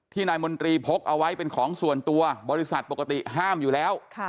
นายมนตรีพกเอาไว้เป็นของส่วนตัวบริษัทปกติห้ามอยู่แล้ว